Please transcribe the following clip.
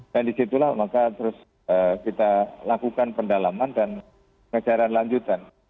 dan di situlah maka terus kita lakukan pendalaman dan pengejaran lanjutan